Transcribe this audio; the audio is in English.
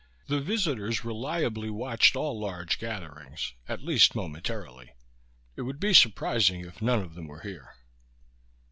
The visitors reliably watched all large gatherings, at least momentarily; it would be surprising if none of them were here.